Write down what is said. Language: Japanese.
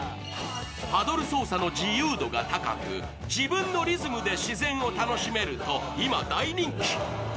パドル操作の自由度が高く自分のリズムで自然を楽しめると今、大人気。